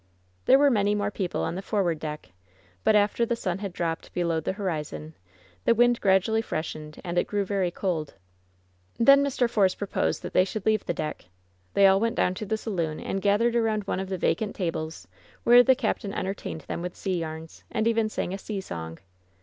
There were many more people on the forward deck; but after the sun had dropped below the horizon the wind gradually freshened and it grew very cold. Then Mr. Force proposed that they should leave the deck. They all went down to the saloon and gathered aroimd one of the vacant tables, where the captain entertained them with sea yams, and even sang a sea song.